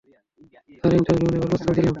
তার ইন্টার্ভিউ নেবার প্রস্তাব দিলাম।